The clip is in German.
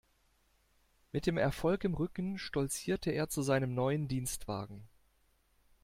Mit dem Erfolg im Rücken stolzierte er zu seinem neuen Dienstwagen.